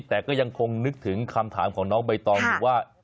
แต่ก็ยังคงนึกถึงคำถามของน้องใบตองอยู่ว่า